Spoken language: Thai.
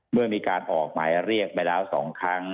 เมื่อมีการออกหมายเรียกไปแล้ว๒ครั้ง